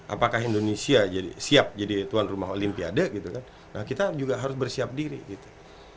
apakah indonesia siap jadi tuan rumah olimpiade gitu kan nah kita juga harus bersiap diri gitu